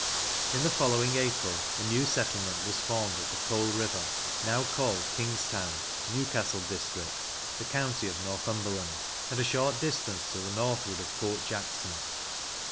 In the following April, a new settlement was formed at the Coal River, now called King's Town, Newcastle District, the county of Northumberland, and a short distance to the northward of Port Jackson.